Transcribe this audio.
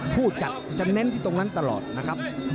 ผู้จัดจะเน้นที่ตรงนั้นตลอดนะครับ